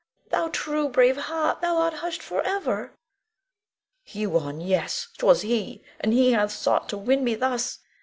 Thou true, brave heart, thou art hushed forever. Huon! yes! 'twas he; and he hath sought to win me thus.